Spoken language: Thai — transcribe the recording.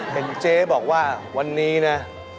เห็นเจ๊บอกว่าวันนี้นะ